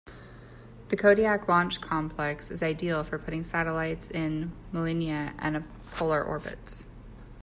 The Kodiak Launch Complex is ideal for putting satellites in Molniya and polar orbits.